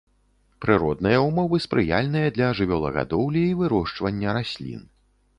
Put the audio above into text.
Прыродныя ўмовы спрыяльныя для жывёлагадоўлі і вырошчвання раслін.